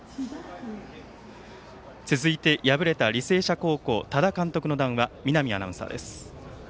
続いて、敗れた履正社高校多田監督の談話見浪アナウンサーです。